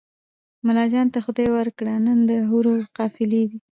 ملاجان ته خدای ورکړي نن د حورو قافلې دي